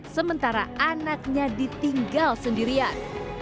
sementara anaknya ditinggal sendirian